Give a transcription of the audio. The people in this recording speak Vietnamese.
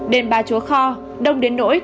đền ba chúa kho đông đến nỗi